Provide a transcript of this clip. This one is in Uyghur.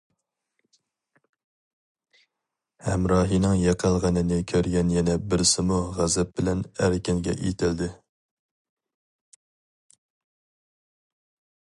ھەمراھىنىڭ يىقىلغىنىنى كۆرگەن يەنە بىرسىمۇ غەزەپ بىلەن ئەركىنگە ئېتىلدى.